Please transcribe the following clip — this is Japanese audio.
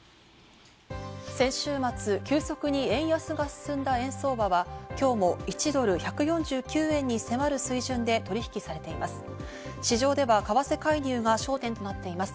先週末、急速に円安が進んだ円相場は今日も１ドル＝１４９円に迫る水準で取引されています。